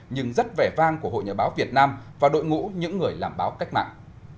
nhưng rất vẻ vang của hội nhà báo việt nam và đội ngũ những người làm báo cách mạng